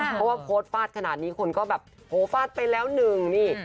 เพราะว่าโพสต์ฟาดขนาดนี้คนก็แบบโหฟาดไปแล้วหนึ่งนี่